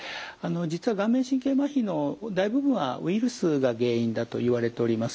実は顔面神経まひの大部分はウイルスが原因だといわれております。